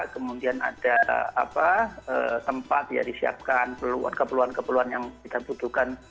kemudian ada tempat ya disiapkan keperluan keperluan yang kita butuhkan